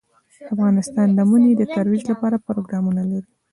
افغانستان د منی د ترویج لپاره پروګرامونه لري.